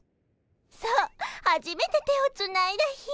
そうはじめて手をつないだ日。